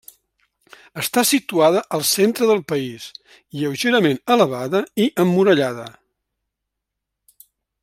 Està situada al centre del país, lleugerament elevada i emmurallada.